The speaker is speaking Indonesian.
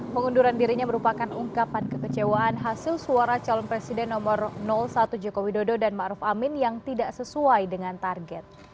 pengunduran dirinya merupakan ungkapan kekecewaan hasil suara calon presiden nomor satu joko widodo dan ⁇ maruf ⁇ amin yang tidak sesuai dengan target